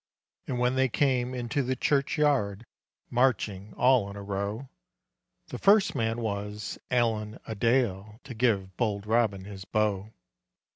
And when they came into the churchyard, Marching all in a row, The first man was Allen a Dale To give bold Robin his bow.